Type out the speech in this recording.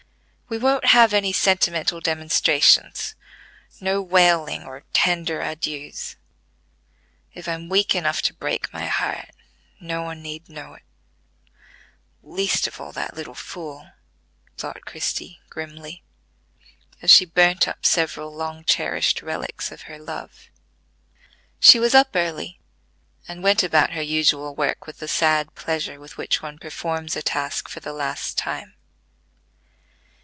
"We won't have any sentimental demonstrations; no wailing, or tender adieux. If I'm weak enough to break my heart, no one need know it,—least of all, that little fool," thought Christie, grimly, as she burnt up several long cherished relics of her love. She was up early, and went about her usual work with the sad pleasure with which one performs a task for the last time.